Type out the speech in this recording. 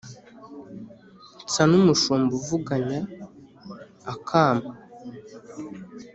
Nsa n' umushumba uvuganya akamu